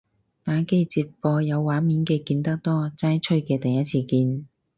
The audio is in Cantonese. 打機直播有畫面嘅見得多，齋吹嘅第一次見